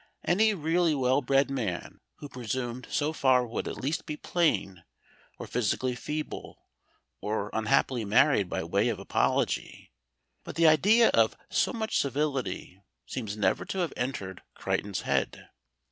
Any really well bred man who presumed so far would at least be plain or physically feeble, or unhappily married by way of apology, but the idea of so much civility seems never to have entered Crichton's head.